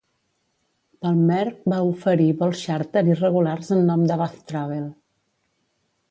Palmair va oferir vols xàrter i regulars en nom de Bath Travel.